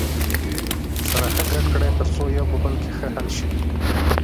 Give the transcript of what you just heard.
سره ښه ګډ کړئ تر څو یو په بل کې ښه حل شي.